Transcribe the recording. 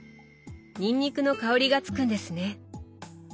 にんにくの香りがつくんですね。